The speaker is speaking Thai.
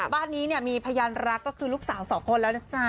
บ้านนี้เนี่ยมีพยานรักก็คือลูกสาวสองคนแล้วนะจ๊ะ